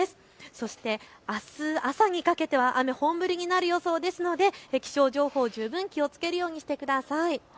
そして、あす朝にかけて本降りになる予想ですので気象情報に十分気をつけるようにしてください。